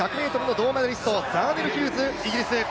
銅メダリスト、ザーネル・ヒューズ、イギリス。